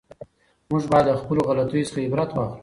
موږ باید له خپلو غلطیو څخه عبرت واخلو.